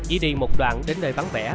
y đi một đoạn đến nơi vắng vẻ